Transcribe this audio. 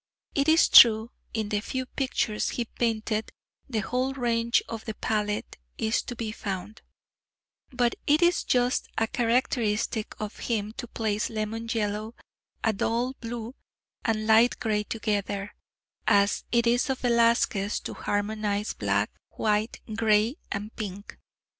It is true, in the few pictures he painted the whole range of the palette is to be found; but it is just as characteristic of him to place lemon yellow, a dull blue, and light grey together, as it is of Velasquez to harmonize black, white, grey and pink.